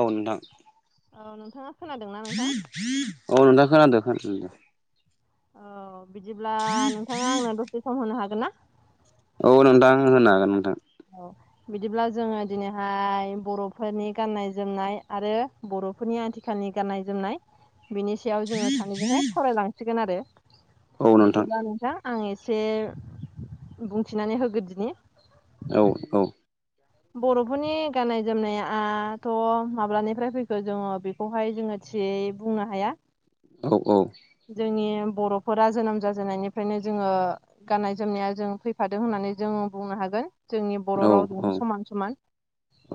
औ नोंथां ओ नोंथाङा खोनादोंना नोंथां [unintelligible] औ नोंथां खोनादो [inaudible] औ बिदिब्ला नोंथाङा आंनो दसे सम होनो हागोन ना औ नोंथां होनो हागोन नोंथां औ बिदिब्ला जोङो दिनैहाय बर'फोरनि गाननाय जोमनाय आरो बर'फोरनि आथिखालनि गाननाय जोमनाय बिनि सायाव जोङो सानैजोंहाय सावरायलांसिगोन आरो औ नोंथां बिदिब्ला नोंथां आं एसे बुंथिनानै होग्रोदिनि औ औ बर'फोरनि गाननाय जोमनाय आथ' माब्लानिफ्राय फैखो जोङो बे ब'हाय जोङो थियै बुंनो हाया औ औ जोंनि बर'फोरा जोनोम जाजेननायनिफ्रायनो जोङो गाननाय जोमनाया जों फैफादों होननानै जोंङो बुंनो हागोन जोंनि बर' औ रावजोंनो समान समान औ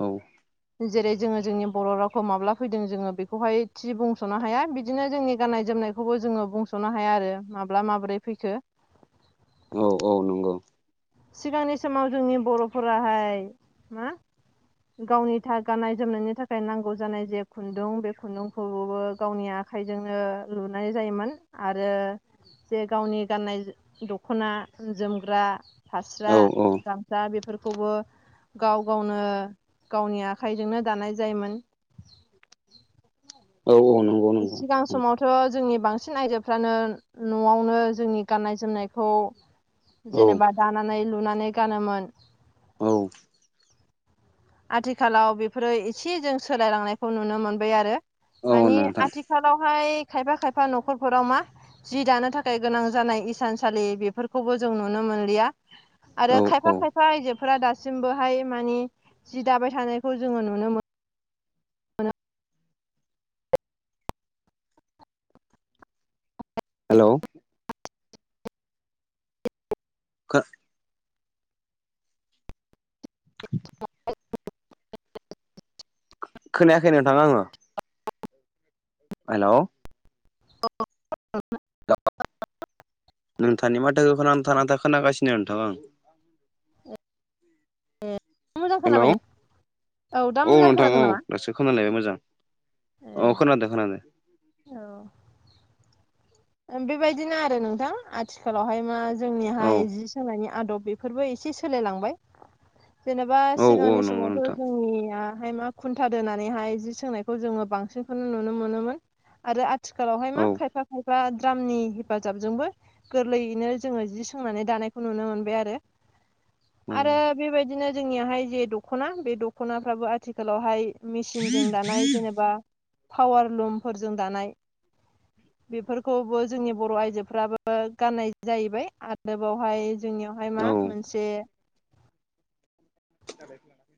जेरै जोङो जोंनि बर' रावखौ माब्ला फैदों जोङो बेखौहाय थि बुंस'नो हाया बिदिनो जोंनि गाननाय जोमनाय खौबो जोङो बुंस'नो हाया आरो माब्ला माबोरै फैखो औ औ नंगौ सिगांनि समाव जोंनि बर'फोराहाय मा गावनिथा गाननाय जोमनायनि थाखाय नांगौ जानाय जे खुन्दुं बे खुन्दुंखौबो गावनि आ खाइजोंनो लुनाय जायोमोन आरो जे गावनि गाननाय दख'ना जोमग्रा हास्रा औ औ दा बेफोरखौबो गाव गावनो गावनि आखाइजोंनो दानाय जायोमोन औ औ नंगौ नंगौ सिगां समाव थ' जोंनि बांसिन आइजोफ्रानो न'आवनो जोंनि गान्नाय जोमनायखौ औ जेनेबा दानानै लुनानै गानोमोन औ आथिखालाव बेफोरो एसे जों सोलायलांनायखौ नुनो मोनबाय आरो औ माने नोंथां आथि खालावहाय खायफा-खायफा न'खरफोराव मा जि दानो थाखाय गोनां जानाय इसानसालि बेफोरखौबो जों नुनो मोनलिया औ आरो औ खायफा-खायफा आयजोफोरा दासिमबोहाय माने जि दाबाय थानायखौ जोङो नुनो मोनो हेलौ' खो [unintelligible] खोनायाखै नोंथां आङो हेलौ' [unintelligible] नोंथांनि माथोखो नांथा-नांथा खोनागासिनो नोंथां आं ए मोजां हेलौ खोनाबायना दा औ मोजां नोंथां खोनादों औ नामा दासो खोनालायबाय मोजां ए औ खोनादो- खोनादो औ ओं बेबायदिनो आरो नोंथां आथिखालावहाय मा औ जोंनिहाय जि सोंनायनि आदब बे फोरबो एसे सोलायलांबाय जेनेबा औ औ सिगांनि नंगौ समावथ' नोंथां जोंनिया आमफाय मा खुन्था दोनानैहाय जि सोंनायखौ जोङो बांसिनखौनो नुनो मोनोमोन आरो आथिखालावहाय औ मा खायफा फ्रा द्रामनि हेफाजाबजोंबो गोरलैयैनो जोङो जि सोंनानै दानायखौ नुनो मोनबाय आरो औ आरो बेबायदिनो जोंनियाहाय जे दख'ना बे दख'नाफ्राबो आथिखालावहाय मेसिनजों दानाय जेनेबा पावार लुमफोरजों दानाय बेफोरखौबो जोंनि बर' आइजोफ्राबो गान्नाय जाहैबाय आरो बावहाय जोंनियावहाय औ मा मोनसे [unintelligible]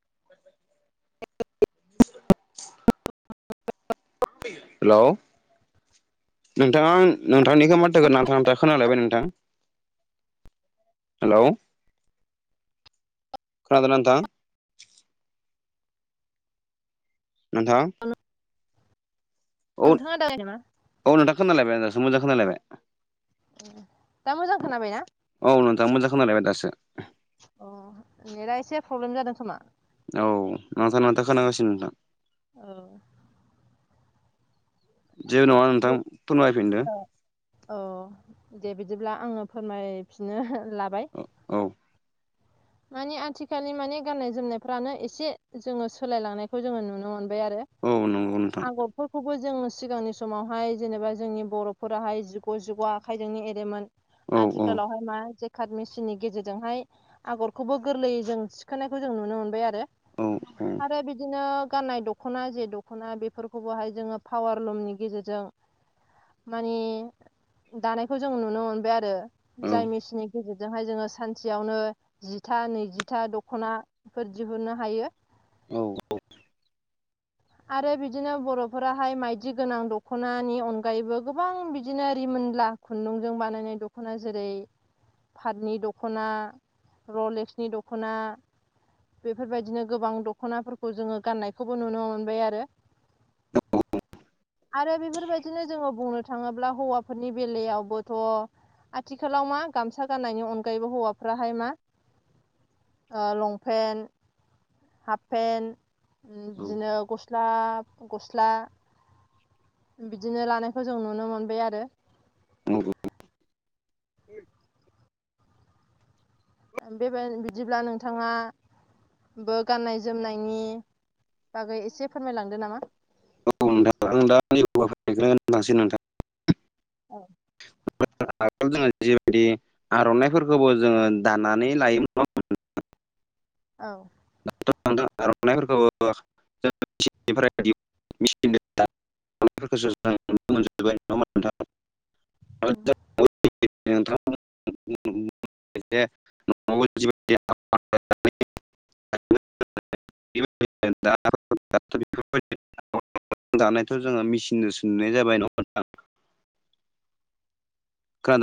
[inaudible] हेल' नोंथाङा नोंथांनिखौ माथोखौ नांथा नांथा खोनालायबाय नोंथां हेल' खोनादोंना‌ नोंथां नोंथां औ नोंथाङा [inaudible] नामा औ नोंथां खोनालायबाय दासो मोजां खोनालायबाय दा मोजां खोनाबायना औ नोंथां मोजां खोनालायबाय दासो अ नेटा एसे प्रब्लेम जादों खोमा औ नांथा-नांथा खोनागासिनो नोंथां औ जेबो नङा नोंथां बे फोरमायफिनदो औ दे बिदिब्ला आङो फोरमायफिननो लाबाय औ माने आथिखालनि माने गान्नाय जोमनायफ्रानो एसे जोङो सोलायलांनायखौ जोङो नुनो मोनबाय आरो औ नंगौ नोंथां आगरफोरखौबो जों सिगांनि समावहाय जेनेबा जोंनि बर'फोराहाय जिग' जिग' आखाइजोंनो एरोमोन औ औ आथिखालावहाय मा जेकाट मेचिननि गेजेरजोंहाय आगरखौबो गोरलैयै जों सिखोनायखौ जों नुनो मोनबाय आरो औे आरो बिदिनो गाननाय दख'ना जे दख'ना बेफोरखौबोहाय जोङो पावार लुमनि गेजेरजों मानि दानायखौ जों नुनो मोनबाय आरो औ जाय मेसिननि गेजेरजोंहाय जोङो सानसेयावनो जिथा नैजिथा दख'नाफोर दिहुननो हायो औ औ आरो बिदिनो बर'फोराहाय माइदि गोनां दख'नानि अनगायैबो गोबां बिदिनो रिमोनला खुन्दुंजों बानायनाय दख'ना जेरै पाटनि दख'ना रलेक्सनि दख'ना बेफोरबायदिनो गोबां दख'नाफोरखौ जोङो गाननायखौबो नुनो मोनबाय आरो आरो बेफोरबायदिनो जोङो बुंनो थाङोब्ला हौवाफोरनि बेलायावबोथ' आथिखालाव मा गामसा गाननायनि अनगायैबो हौवाफ्राहाय मा लं पेन्ट हाफ पेन्ट बिदिनो हाफ गस्ला बिदिनो लानायखौ जों नुनो मोनबाय आरो औ बेबाय बिदिब्ला नोंथाङा ब गाननाय जोमनायनि बागै एसे फोरमायलांदो नामा औ नोंथां आं दानि थांसै नोंथां औ [unintelligible] आर'नाइफोरखौबो जोङो दानानै लायोमोन औ [unintelligible] औ [unintelligible] [unintelligible] [inaudible] [inaudible] जानायथ' जोङो मेचनजों सोंहनाय जाबाय नङा खोनादोंना